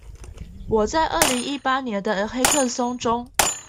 我在二零一八年的黑客松中